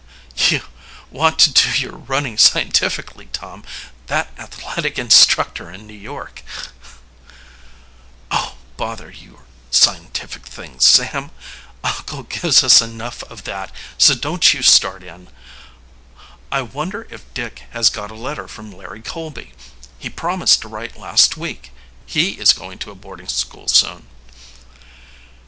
"You want to do your running scientifically, Tom. That athletic instructor in New York " "Oh, bother your scientific things, Sam! Uncle gives us enough of that, so don't you start in. I wonder if Dick has got a letter from Larry Colby? He promised to write last week. He is going to a boarding school soon."